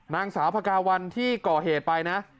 นางสาวพกาวันที่ก่อเหตุไปนะ